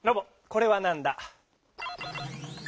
これはなんだ？